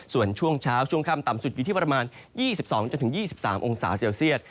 ส่วนช่วงเช้าช่วงค่ำต่ำสุดอยู่ที่ประมาณ๒๒๒๓องศาเซลเซียต